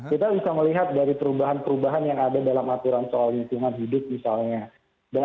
kita bisa melihat dari perubahan perubahan yang ada dalam aturan soal lingkungan hidup misalnya